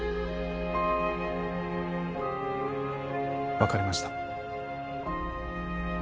わかりました。